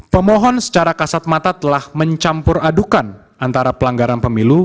pemohon secara kasat mata telah mencampur adukan antara pelanggaran pemilu